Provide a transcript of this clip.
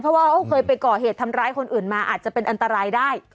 เพราะว่าเขาเคยไปก่อเหตุทำร้ายคนอื่นมาอาจจะเป็นอันตรายได้